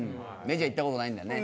メジャー行った事ないんだね。